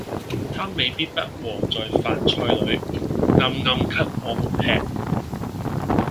他未必不和在飯菜裏，暗暗給我們喫。